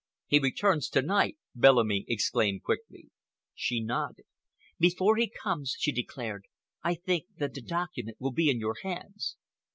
"He returns to night!" Bellamy exclaimed quickly. She nodded. "Before he comes," she declared, "I think that the document will be in your hands."